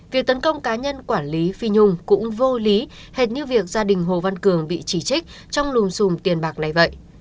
việc tấn công cá nhân quản lý phi nhung cũng vô lý hệ như việc gia đình hồ văn cường bị chỉ trích trong lùm xùm tiền bạc này vậy